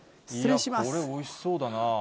これ、おいしそうだな。